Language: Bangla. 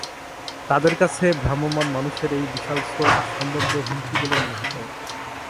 তাদের কাছে ভ্রাম্যমাণ মানুষের এই বিশাল স্রোত সম্ভাব্য হুমকি বলে মনে হত।